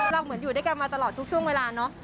เราเหมือนอยู่ด้วยกันมาจังหล่อทุกช่วงเวลาเนอะ